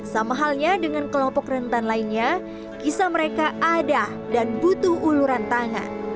sama halnya dengan kelompok rentan lainnya kisah mereka ada dan butuh uluran tangan